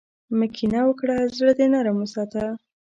مه کینه وکړه، زړۀ دې نرم وساته.